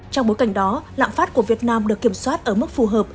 trong bối cảnh đó lạng phát của việt nam được kiểm soát ở mức phù hợp